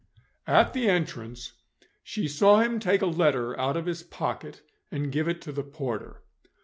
At the entrance she saw him take a letter out of his pocket, and give it to the porter.